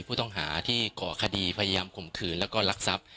ผู้ต้องหาที่ก่อคดีพยายามข่มขืนแล้วก็รักทรัพย์